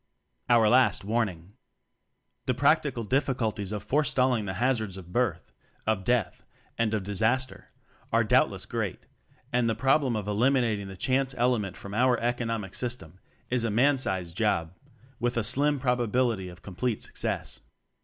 Out Last Warning! The practical difficulties of forestall ing the hazards of birth, of death, and of disaster, are doubtless great, and the problem of eliminating the "chance" element from our economic system is a man sized job with a slim probability of complete success.